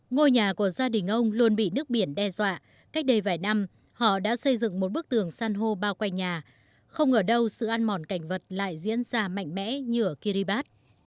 ngôi nhà của gia đình ông luôn bị nước biển đe dọa cách đây vài năm họ đã xây dựng một bức tường san hô bao quanh nhà không ở đâu sự ăn mòn cảnh vật lại diễn ra mạnh mẽ như ở kiribat